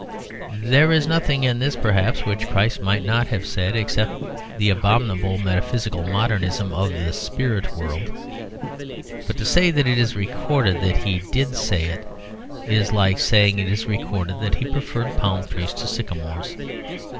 There is nothing in this, perhaps, which Christ might not have said except the abominable metaphysical modernism of "the spirit world"; but to say that it is recorded that He did say it, is like saying it is recorded that He preferred palm trees to sycamores.